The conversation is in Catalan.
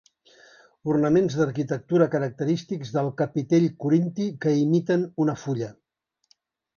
Ornaments d'arquitectura característics del capitell corinti que imiten una fulla.